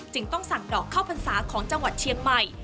ต้องสั่งดอกข้าวพรรษาของจังหวัดเชียงใหม่